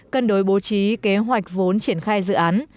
cân đối bố trí kế hoạch vốn triển khai dự án